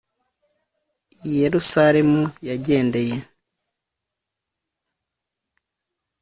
i Yerusalemu Yagendeye